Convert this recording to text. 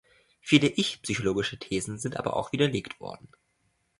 Viele Ich-psychologische Thesen sind aber auch widerlegt worden.